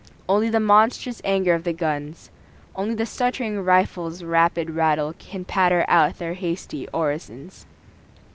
Only the monstrous anger of the guns. Only the stuttering rifles' rapid rattle Can patter out their hasty orisons.